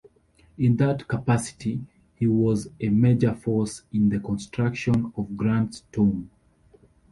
In that capacity, he was a major force in the construction of Grant's Tomb.